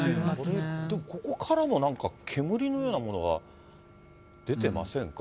ここからもなんか、煙のようなものが出てませんか。